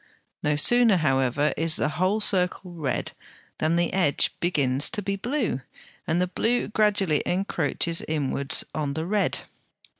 No sooner, however, is the whole circle red than the edge begins to be blue, and the blue gradually encroaches inwards on the red.